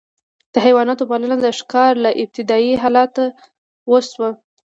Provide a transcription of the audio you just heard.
د حیواناتو پالنه د ښکار له ابتدايي حالته وشوه.